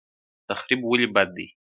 تخریب ولې بد دی؟